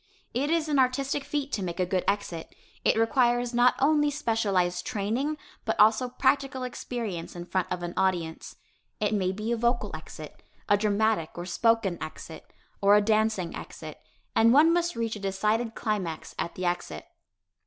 It is an artistic feat to make a good exit. It requires not only specialized training, but also practical experience in front of an audience. It may be a vocal exit, a dramatic or spoken exit, or a dancing exit, and one must reach a decided climax at the exit.